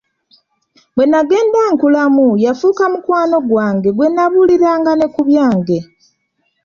Bwe nnagenda nkulamu yafuuka mukwano gwange gwe nabuuliranga ne ku byange.